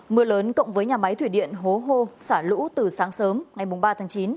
mưa lớn cộng với nhà máy thủy điện hố hô xả lũ từ sáng sớm ngày ba tháng chín